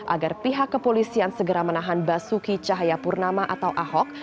agar pihak kepolisian segera menahan basuki cahayapurnama atau ahok